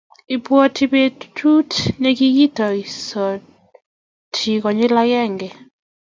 Ibwoti betut negigituisoti konyil agenge